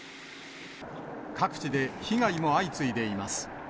各地で被害も相次いでいます。